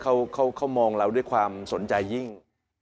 เขามองเราด้วยความสนใจยิ่ง